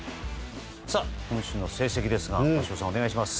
今週の成績ですが鷲尾さん、お願いします。